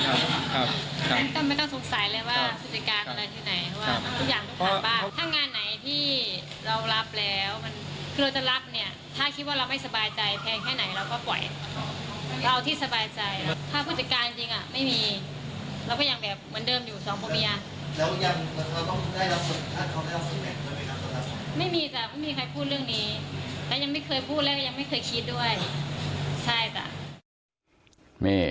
มันก็ไม่ต้องสงสัยเลยว่าผู้จัดการอะไรที่ไหนว่าทุกอย่างทุกทางบ้างถ้างานไหนที่เรารับแล้วมันคือเราจะรับเนี่ยถ้าคิดว่าเราไม่สบายใจแพงแค่ไหนเราก็ปล่อยเราเอาที่สบายใจถ้าผู้จัดการจริงอ่ะไม่มีเราก็ยังแบบเหมือนเดิมอยู่สองผัวเมียไม่มีจ้ะไม่มีใครพูดเรื่องนี้และยังไม่เคยพูดแล้วก็ยังไม่เคยคิดด้วยใช่จ้ะ